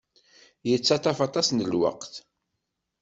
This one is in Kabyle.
Yettaṭṭaf aṭas n lweqt.